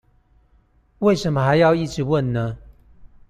為什麼還要一直問呢？